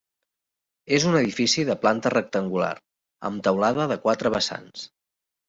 És un edifici de planta rectangular amb teulada de quatre vessants.